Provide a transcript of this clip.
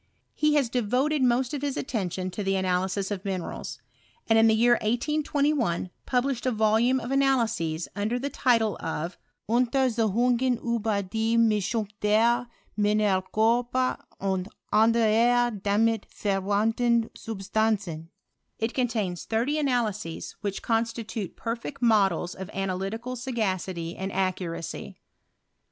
He has devoted most of hU attention to the analysis of minerals ; and in the year 1821 published avoluroe of analyses under the title of " Untersuchun gen iiber die Mischung der Mineralkorper and anderer damit verwandten Subatanzen." It contains thirty analyses, which constitute perfect models of' analytical sao^city and accuracy.